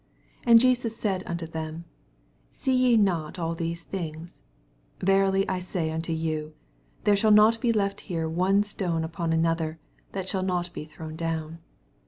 2 Ana Jesus said unto thenu See ye not all these things ? verily I say unto you, There shall not be left here one stone upon another, that shall not be thrown down.